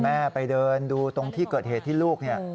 แม่ไปเดินดูตรงที่เกิดเหตุที่ลูกเนี่ย